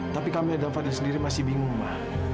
tapi kamila dan fadil sendiri masih bingung ma